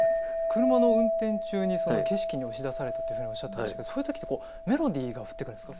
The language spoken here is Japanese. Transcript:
車の運転中にその景色に押し出されたっていうふうにおっしゃってましたけどそういう時ってこうメロディーが降ってくるんですか？